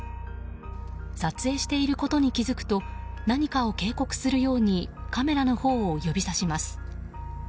撮影していることに気付くと何かを警告するようにカメラのほうを指さします。